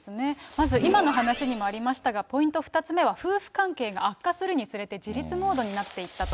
まず今の話にもありましたが、ポイント２つ目は夫婦関係が悪化するにつれて、自立モードになっていったと。